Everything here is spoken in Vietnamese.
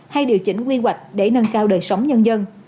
hay điều chỉnh quy hoạch để nâng cao đời sống nhân dân